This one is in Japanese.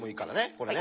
これね。